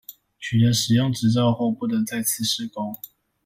取得使用執照後不得再次施工